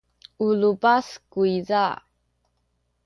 u lupas kuyza.